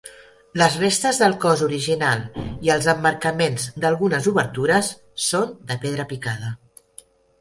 Les restes del cos original i els emmarcaments d'algunes obertures són de pedra picada.